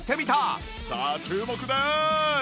さあ注目です！